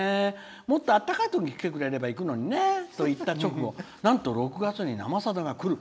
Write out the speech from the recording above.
もっとあったかいときに来てくれれば行くのにねと言った直後、なんと６月に「生さだ」が来る。